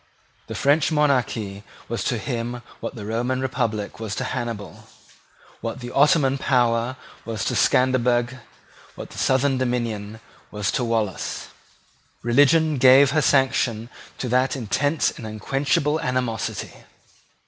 The French monarchy was to him what the Roman republic was to Hannibal, what the Ottoman power was to Scanderbeg, what the southern domination was to Wallace. Religion gave her sanction to that intense and unquenchable animosity.